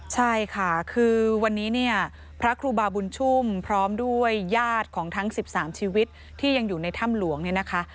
ใช่ค่ะคือวันนี้เนี่ยพระครูบาบุญชุ่มพร้อมด้วยญาติของทั้ง๑๓ชีวิตที่ยังอยู่ในถ้ำหลวงเนี่ยนะคะ